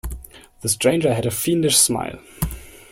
The stranger had a fiendish smile.